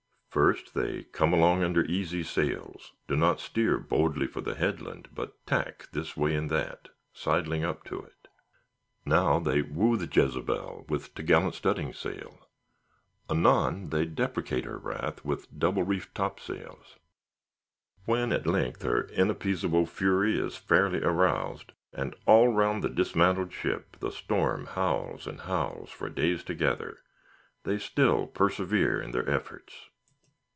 First, they come along under easy sails; do not steer boldly for the headland, but tack this way and that—sidling up to it. Now they woo the Jezebel with t' gallant studding sail; anon, they deprecate her wrath with double reefed topsails. When, at length, her inappeasable fury is fairly aroused, and all round the dismantled ship the storm howls and howls for days together, they still persevere in their efforts.